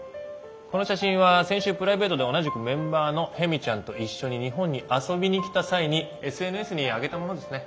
この写真は先週プライベートで同じくメンバーのヘミちゃんと一緒に日本に遊びに来た際にＳＮＳにあげたものですね。